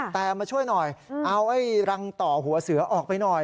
แต่มาช่วยหน่อยเอาไอ้รังต่อหัวเสือออกไปหน่อย